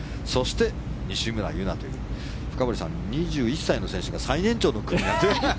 そして西村優菜という深堀さん、２１歳の選手が最年長の組で。